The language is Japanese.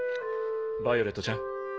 ヴァイオレットちゃん。